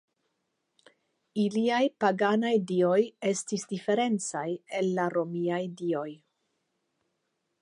Iliaj paganaj dioj estis diferencaj el la romiaj dioj.